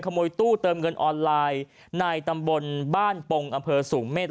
ตู้เติมเงินออนไลน์ในตำบลบ้านปงอำเภอสูงเมษ